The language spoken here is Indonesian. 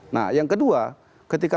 nah yang kedua ketika